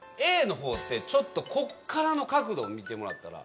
Ａのほうってちょっとこっからの角度を見てもらったら。